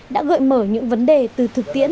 đã gợi mở những vấn đề từ thực tiễn